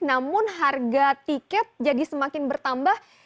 namun harga tiket jadi semakin bertambah